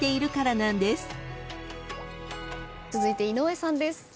続いて井上さんです。